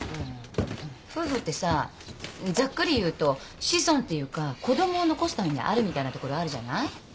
夫婦ってさざっくり言うと子孫っていうか子供を残すためにあるみたいなところあるじゃない。